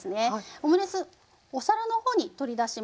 オムレツお皿の方に取り出します。